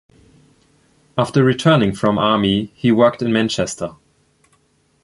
After returning from army he worked in Manchester.